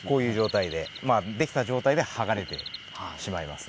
できた状態で剥がれてしまいます。